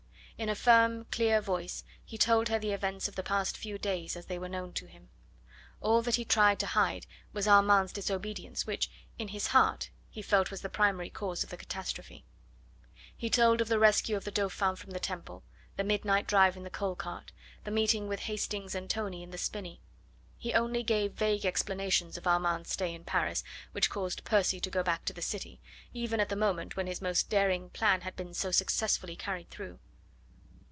In a firm, clear voice he told her the events of the past few days as they were known to him. All that he tried to hide was Armand's disobedience, which, in his heart, he felt was the primary cause of the catastrophe. He told of the rescue of the Dauphin from the Temple, the midnight drive in the coal cart, the meeting with Hastings and Tony in the spinney. He only gave vague explanations of Armand's stay in Paris which caused Percy to go back to the city, even at the moment when his most daring plan had been so successfully carried through.